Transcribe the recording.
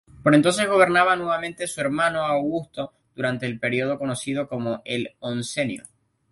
Por entonces gobernaba nuevamente su hermano Augusto, durante el periodo conocido como el Oncenio.